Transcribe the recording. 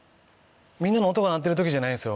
みんなの音が鳴ってる時じゃないんですよ